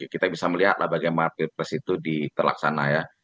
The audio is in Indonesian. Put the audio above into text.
kita bisa melihatlah bagaimana pilpres itu terlaksana ya